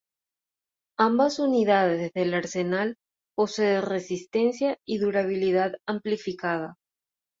Ambas unidades del Arsenal, posee resistencia y durabilidad amplificada.